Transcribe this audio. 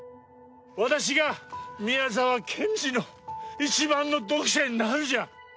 私が宮沢賢治の一番の読者になるじゃ。